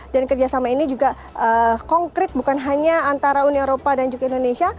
dan kerjasama ini juga konkret bukan hanya antara uni eropa dan juga indonesia